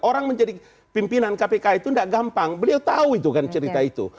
orang menjadi pimpinan kpk itu tidak gampang beliau tahu itu kan cerita itu